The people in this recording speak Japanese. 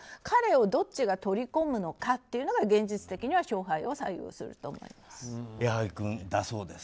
彼をどっちが取り込むのかというのが現実的には勝敗を左右すると思います。